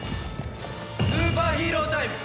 スーパーヒーロータイム。